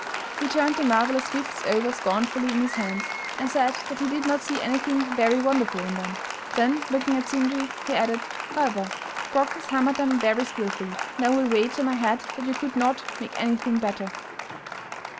He turned the marvelous gifts over scornfully in his hands, and said that he did not see anything very wonderful in them; then, looking at Sindri he added, "However, Brok has hammered them very skilfully, and I will wager my head that you could not make anything better."